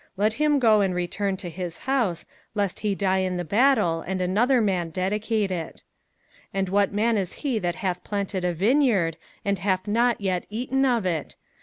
let him go and return to his house, lest he die in the battle, and another man dedicate it. 05:020:006 And what man is he that hath planted a vineyard, and hath not yet eaten of it?